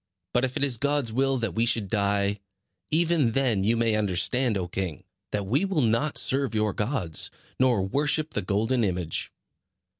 But if it is God's will that we should die, even then you may understand, O king, that we will not serve your gods, nor worship the golden image."